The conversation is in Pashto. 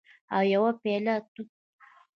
او یوه پیاله توت